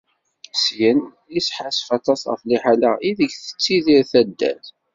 Syin, isḥassef aṭas ɣef liḥala ideg tettidir taddart.